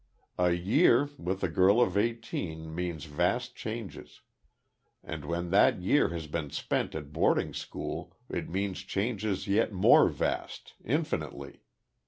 A year, with a girl of eighteen, means vast changes; and when that year has been spent at boarding school, it means changes yet more vast, infinitely.